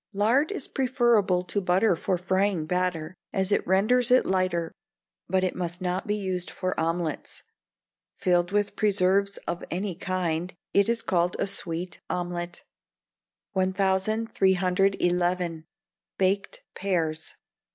Lard is preferable to butter for frying batter, as it renders it lighter; but it must not be used for omelettes. Filled with preserves of any kind, it is called a sweet omelette." 1311. Baked Pears.